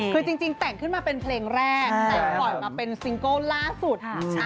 คือจริงแต่งขึ้นมาเป็นเพลงแรกแต่ปล่อยมาเป็นซิงเกิลล่าสุด